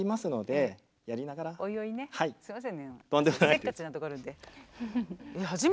せっかちなところあるんで。